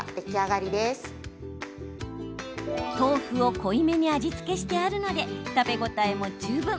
豆腐を濃いめに味付けしてあるので食べ応えも十分。